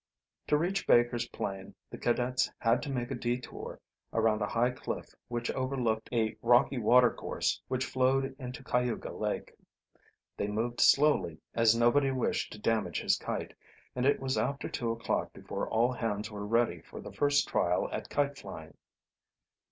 To reach Baker's Plain the cadets had to make a detour around a high cliff which overlooked a rocky watercourse which flowed into Cayuga Lake. They moved slowly, as nobody wished to damage his kite, and it was after two o'clock before all hands were ready for the first trial at kite flying.